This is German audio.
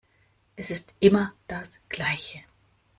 Es ist immer das Gleiche.